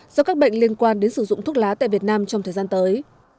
do các bệnh liên quan đến sử dụng thuốc lá tại việt nam trong thời gian tới